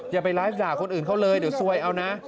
อย่าไปไลฟ์ด่าคนอื่นเขาเลยเดี๋ยวซวยเอานะ